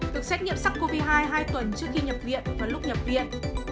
được xét nghiệm sắc covid hai hai tuần trước khi nhập viện và lúc nhập viện